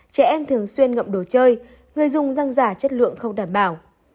trẻ em thường xuyên ngậm đồ chơi người dùng răng giả chất lượng không đảm bảo